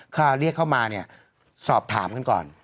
ถ้าเรียกเข้ามาเนี่ยสอบถามกันก่อน